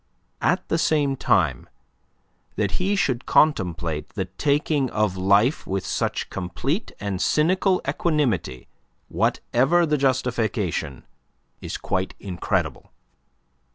At the same time, that he should contemplate the taking of life with such complete and cynical equanimity, whatever the justification, is quite incredible.